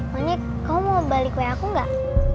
monique kamu mau beli kue aku gak